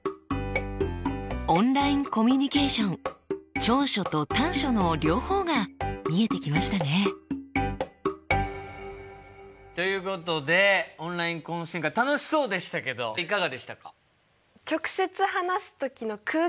オンラインコミュニケーション長所と短所の両方が見えてきましたね。ということでオンライン懇親会楽しそうでしたけどいかがでしたか？